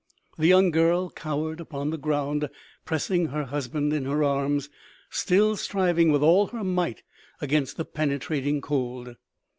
The young girl cowered upon the ground, pressing her husband in her arms, still striving with all her might against the penetrating cold.